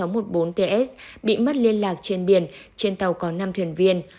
qb chín mươi tám sáu mươi bốn ts bị mất liên lạc trên biển trên tàu có năm thuyền viên